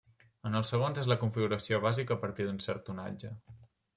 En els segons és la configuració bàsica a partir d'un cert tonatge.